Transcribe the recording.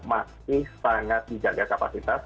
masih sangat dijaga kapasitas